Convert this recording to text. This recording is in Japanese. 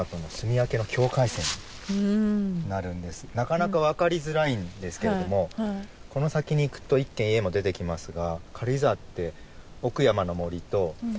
なかなか分かりづらいんですけれどもこの先に行くと１軒家も出てきますが軽井沢って。